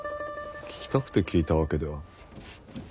聞きたくて聞いたわけでは。